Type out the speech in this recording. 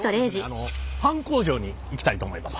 あのパン工場に行きたいと思います。